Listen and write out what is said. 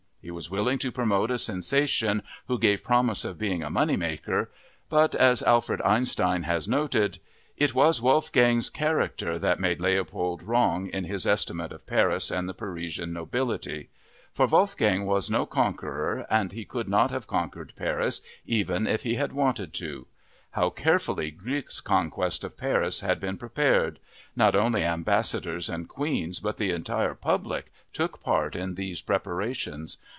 He was willing to promote a sensation who gave promise of being a money maker. But, as Alfred Einstein has noted, "_It was Wolfgang's character that made Leopold wrong in his estimate of Paris and the Parisian nobility. For Wolfgang was no conqueror and he could not have conquered Paris even if he had wanted to.... How carefully Gluck's conquest of Paris had been prepared! Not only ambassadors and queens but the entire public took part in these preparations....